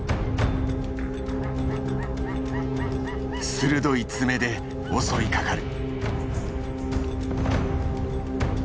鋭い爪で襲いかかる。